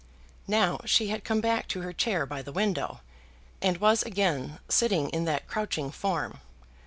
Now she had come back to her chair by the window, and was again sitting in that crouching form.